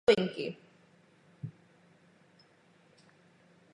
Místo jeho narození je nejasné.